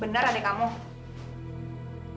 benar adik kamu